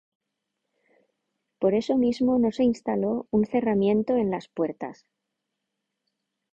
Por eso mismo no se instaló un cerramiento en las puertas.